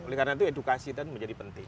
oleh karena itu edukasi dan menjadi penting